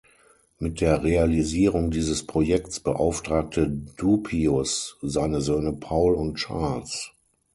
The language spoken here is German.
Mit der Realisierung dieses Projekts beauftragte Dupuis seine Söhne Paul und Charles.